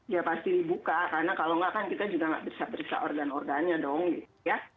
ya pasti dibuka karena kalau enggak kan kita juga nggak bisa periksa organ organnya dong gitu ya